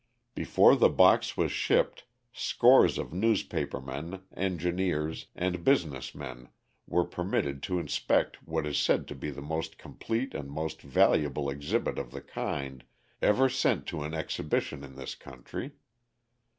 Before the box was shipped scores of newspaper men, engineers and business men were permitted to inspect what is said to be the most complete and most valuable exhibit of the kind ever sent to an exhibition in this country.